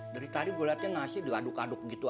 dari tadi gue lihatnya nasi diaduk aduk gitu aja